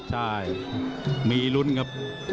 ใช่มีลุ้นครับ